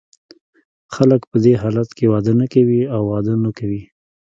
خلګ په دې حالت کې واده نه کوي او واده نه کوي.